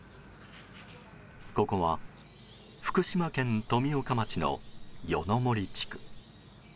ここは福島県富岡町の夜の森地区。